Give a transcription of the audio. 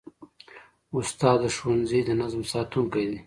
استاد د ښوونځي د نظم ساتونکی دی.